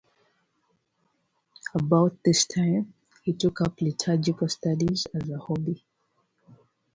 About this time he took up liturgical studies as a hobby.